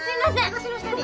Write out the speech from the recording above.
流しの下に。